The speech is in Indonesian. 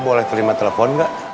saya boleh terima telepon gak